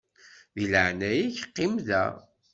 Di leɛnaya-k qqim da.